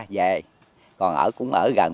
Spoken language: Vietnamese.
về còn ở cũng ở gần